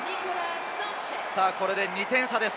これで２点差です。